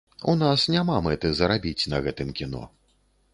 У нас няма мэты зарабіць на гэтым кіно.